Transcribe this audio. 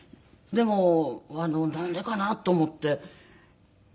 でもなんでかなと思って。